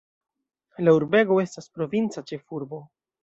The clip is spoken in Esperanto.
La urbego estas provinca ĉefurbo.